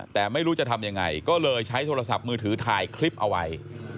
แต่ไม่รู้จะทำยังไงก็เลยใช้โทรศัพท์มือถือถ่ายคลิปเอาไว้